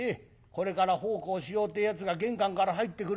これから奉公しようってやつが玄関から入ってくるやつがあるか。